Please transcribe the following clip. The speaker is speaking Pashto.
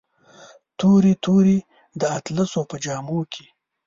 تورې، تورې د اطلسو په جامو کې